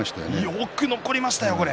よく残りましたね。